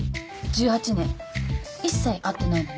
１８年一切会ってないのね？